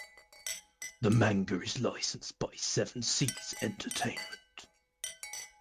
The manga is licensed by Seven Seas Entertainment.